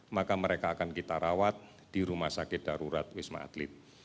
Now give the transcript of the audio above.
maka mereka akan kita rawat di rumah sakit darurat wisma atlet